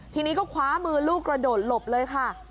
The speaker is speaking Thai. ทีนี้ก็คว้ามือลูกกระโดดหลบเลยค่ะ